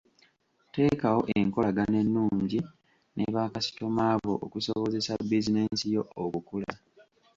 Teekawo enkolagana ennungi ne bakasitoma bo okusobozesa bizinensi yo okukula.